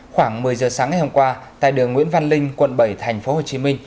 khoảng một mươi giờ sáng ngày hôm qua tại đường nguyễn văn linh quận bảy tp hcm